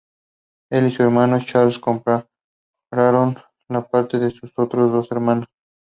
Él y su hermano Charles compraron la parte de sus otros dos hermanos.